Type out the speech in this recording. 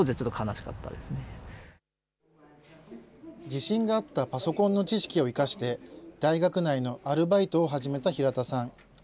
自信があったパソコンの知識を生かして、大学内のアルバイトを始めた平田さん。